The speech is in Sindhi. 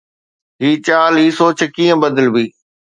هي چال، هي سوچ ڪيئن بدلبي؟